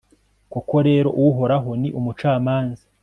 koko rero, uhoraho ni umucamanza